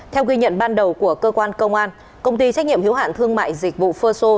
theo ghi nhận ban đầu của cơ quan công an công ty trách nhiệm hiệu hạn thương mại dịch vụ phơ xô